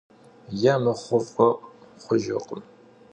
Yê mıxhu f'ı xhujjırkhım.